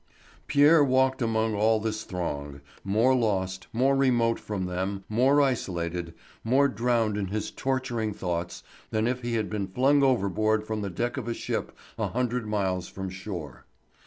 Pierre walked among all this throng, more lost, more remote from them, more isolated, more drowned in his torturing thoughts, than if he had been flung overboard from the deck of a ship a hundred miles from shore.